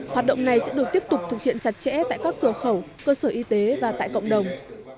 hoạt động này sẽ được tiếp tục thực hiện chặt chẽ tại các cửa khẩu cơ sở y tế và tại cộng đồng